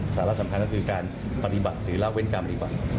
สาระสำคัญก็คือการปฏิบัติหรือเล่าเว้นการปฏิบัติ